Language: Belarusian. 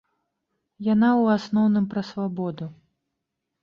Яна ў асноўным пра свабоду.